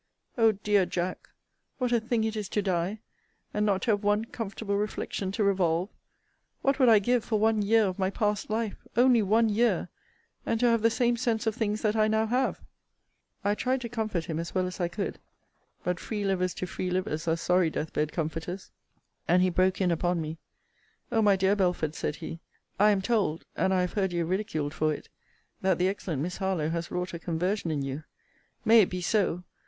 O dear Jack! what a thing it is to die; and not to have one comfortable reflection to revolve! What would I give for one year of my past life? only one year and to have the same sense of things that I now have? I tried to comfort him as well as I could: but free livers to free livers are sorry death bed comforters. And he broke in upon me: O my dear Belford, said he, I am told, (and I have heard you ridiculed for it,) that the excellent Miss Harlowe has wrought a conversion in you. May it be so!